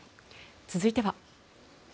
続いては。